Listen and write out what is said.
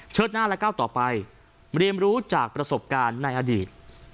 หน้าและก้าวต่อไปเรียนรู้จากประสบการณ์ในอดีต